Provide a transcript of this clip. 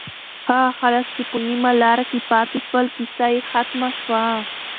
هغه خلک چې په نیمه لاره کې پاتې شول، کیسه یې ختمه شوه.